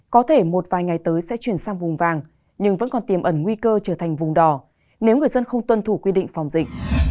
có thể một vài ngày tới sẽ chuyển sang vùng vàng nhưng vẫn còn tiềm ẩn nguy cơ trở thành vùng đỏ nếu người dân không tuân thủ quy định phòng dịch